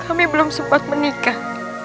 kami belum sempat menikah